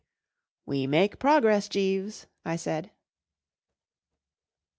M We make progress, Jeeves/' I said.